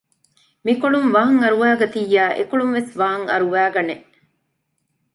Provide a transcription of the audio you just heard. މިކޮޅުން ވާން އަރުވައިގަތިއްޔާ އެކޮޅުން ވެސް ވާން އަރުވައި ގަނެ